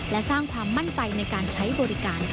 และสร้างความมั่นใจในการใช้บริการ